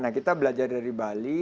nah kita belajar dari bali